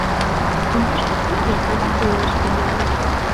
Изиш лиймеке, адак ойлаш тӱҥале: